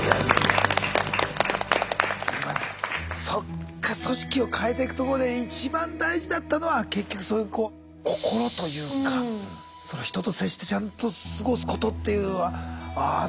そっか組織を変えてくところで一番大事だったのは結局そういう心というかその人と接してちゃんと過ごすことっていうのはああ